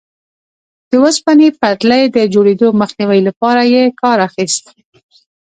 د اوسپنې پټلۍ د جوړېدو مخنیوي لپاره یې کار اخیست.